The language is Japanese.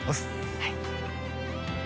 はい！